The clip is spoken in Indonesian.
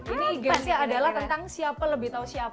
ini gamesnya adalah tentang siapa lebih tahu siapa